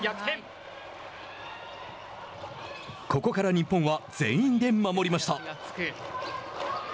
ここから日本は全員で守りました。